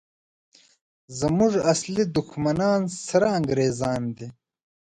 زموږ اصلي دښمنان سره انګریزان دي!